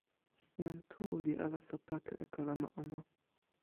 jan Tu li alasa pake e kalama ona.